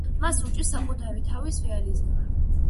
მას უჭირს საკუთარი თავის რეალიზება.